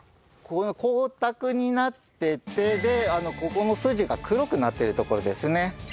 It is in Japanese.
この光沢になっててでここの筋が黒くなってるところですね。